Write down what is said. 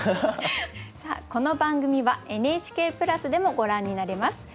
さあこの番組はＮＨＫプラスでもご覧になれます。